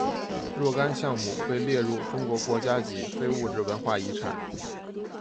若干项目被列入中国国家级非物质文化遗产。